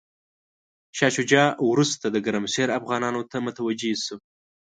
شاه شجاع وروسته د ګرمسیر افغانانو ته متوجه شو.